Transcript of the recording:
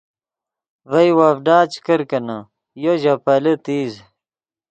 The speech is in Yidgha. ڤئے وڤڈا چے کرکینے یو ژے پیلے تیز